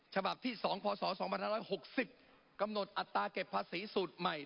ฉบับที่๒พศ๒๕๖๐กำหนดอัตราเก็บภาษีสูตรใหม่